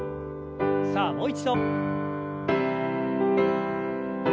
さあもう一度。